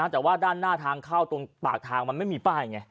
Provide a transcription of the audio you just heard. แต่ว่าด้านหน้าทางเข้าตรงปากทางมันไม่มีป้ายไง